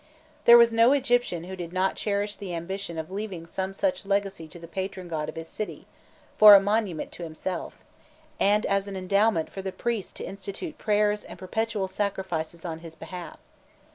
There was no Egyptian who did not cherish the ambition of leaving some such legacy to the patron god of his city, "for a monument to himself," and as an endowment for the priests to institute prayers and perpetual sacrifices on his behalf.